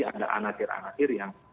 ada anakir anakir yang